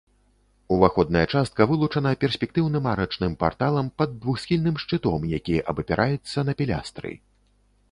Уваходная частка вылучана перспектыўным арачным парталам пад двухсхільным шчытом, які абапіраецца на пілястры.